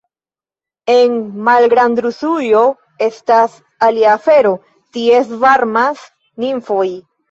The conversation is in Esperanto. En Malgrandrusujo estas alia afero, tie svarmas nimfoj.